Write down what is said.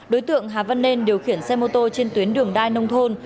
đối tượng hà văn nên điều khiển xe mô tô trên tuyến đường đai nông thôn